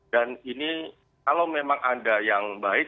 dan ini kalau memang ada yang baik